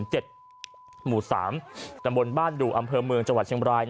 หมู่๓ตำบลบ้านดูอำเภอเมืองจังหวัดเชียงบราย